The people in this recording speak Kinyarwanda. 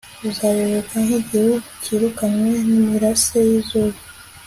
buzayoyoka nk'igihu kirukanywe n'imirase y'izuba